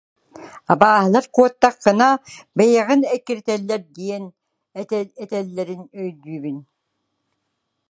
Абааһылар куоттаххына, бэйэҕин эккирэтэллэр диэн этэллэрин өйдүүбүн